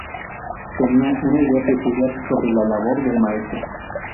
Tenía una idea peculiar sobre la labor del maestro.